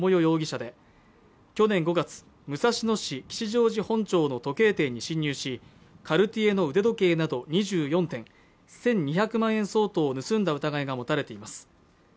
容疑者で去年５月武蔵野市吉祥寺本町の時計店に侵入しカルティエの腕時計など２４点１２００万円相当を盗んだ疑いが持たれています